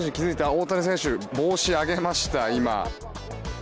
大谷選手が帽子を上げました、今。